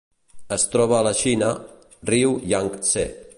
Es troba a la Xina: riu Iang-Tsé.